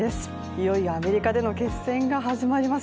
いよいよアメリカでの決戦が始まります。